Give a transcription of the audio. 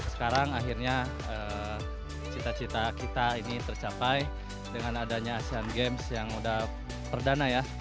sekarang akhirnya cita cita kita ini tercapai dengan adanya asean games yang udah perdana ya